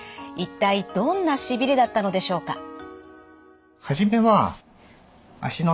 一体どんなしびれだったのでしょうか？